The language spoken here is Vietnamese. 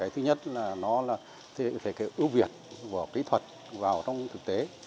thứ nhất là nó sẽ ưu việt kỹ thuật vào trong thực tế